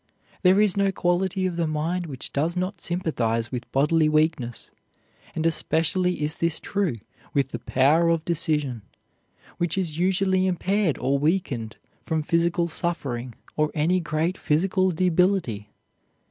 There is no quality of the mind which does not sympathize with bodily weakness, and especially is this true with the power of decision, which is usually impaired or weakened from physical suffering or any great physical debility.